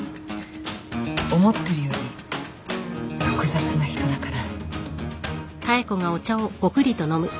思ってるより複雑な人だから。